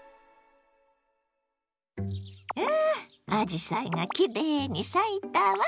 わああじさいがきれいに咲いたわ。